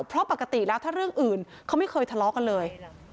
เพราะปกติแล้วถ้าเรื่องอื่นเขาไม่เคยทะเลาะกันเลย